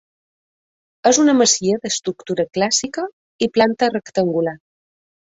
És una masia d'estructura clàssica i planta rectangular.